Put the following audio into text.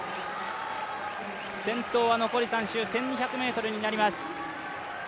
先頭は残り３周、１２００ｍになります。